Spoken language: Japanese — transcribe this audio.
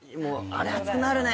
あれ熱くなるね。